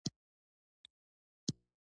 •لمر د خپل هر ځل راتګ سره طبیعت ته ژوند ورکوي.